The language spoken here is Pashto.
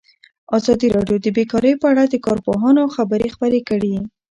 ازادي راډیو د بیکاري په اړه د کارپوهانو خبرې خپرې کړي.